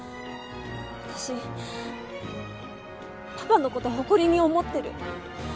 私パパのこと誇りに思ってる。